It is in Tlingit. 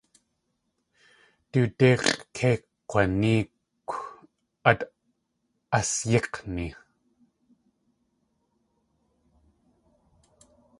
Du díx̲ʼ kei kg̲wanéekw át asyík̲ni.